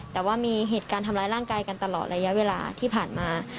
แต่ว่ามีเหตุการณ์ทำร้ายร่างกายกันตลอดระยะเวลาที่ผ่านมา